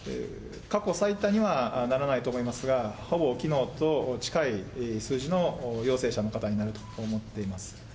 過去最多にはならないと思いますが、ほぼきのうと近い数字の陽性者の方になると思っています。